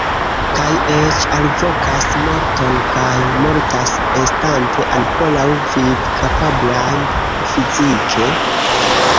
Kaj eĉ alvokas morton kaj mortas, estante ankoraŭ vivkapablaj fizike?